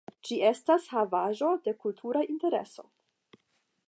Ĝi estas Havaĵo de Kultura Intereso.